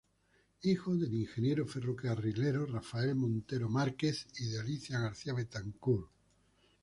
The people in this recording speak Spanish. Hijo del ingeniero ferrocarrilero Rafael Montero Márquez y de Alicia García Betancourt.